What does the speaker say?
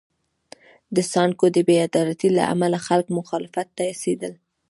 د سانکو د بې عدالتۍ له امله خلک مخالفت ته هڅېدل.